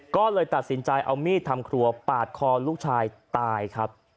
ก็เลยตัดสินใจเอามีดทำครัวปาดคอลูกชายตายครับ